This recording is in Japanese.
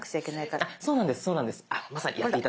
そうなんです。